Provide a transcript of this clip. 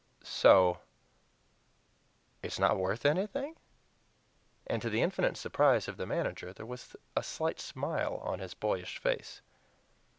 So it's not worth anything?" And, to the infinite surprise of the manager, there was a slight smile on his boyish face.